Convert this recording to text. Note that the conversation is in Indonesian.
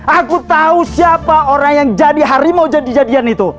aku tahu siapa orang yang jadi harimau jadi jadian itu